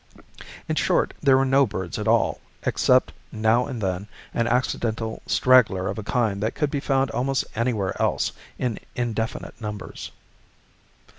In short, there were no birds at all, except now and then an accidental straggler of a kind that could be found almost anywhere else in indefinite numbers.